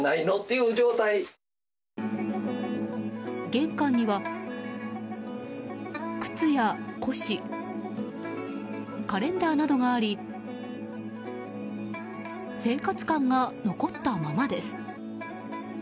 玄関には靴や、古紙カレンダーなどがあり生活感が残ったままです。